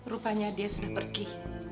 rupanya dia sudah pergi